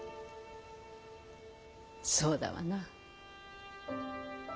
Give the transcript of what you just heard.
そうだわな。